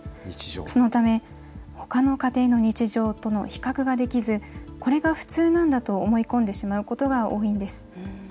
そのため、ほかの家庭の日常との比較ができず、これが普通なんだと思い込んでしまうことが多いんです。